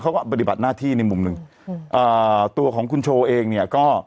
ปฏิบัติหน้าที่ในมุมหนึ่งอืมอ่าตัวของคุณโชว์เองเนี่ยก็